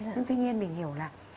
nhưng tuy nhiên mình hiểu là